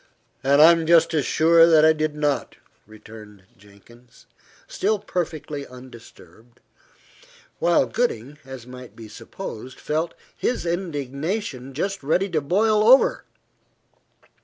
"And I am just as sure that I did not," returned Jenkins, still perfectly undisturbed, while Gooding, as might be supposed, felt his indignation just ready to boil over.